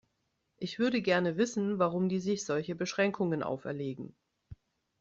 Ich würde gerne wissen, warum die sich solche Beschränkungen auferlegen.